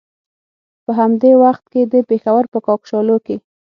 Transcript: په همدې وخت کې د پېښور په کاکشالو کې.